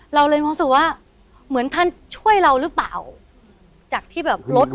เราเลยความสุขว่าเหมือนท่านช่วยเรารึเปล่าจากที่แบบรถ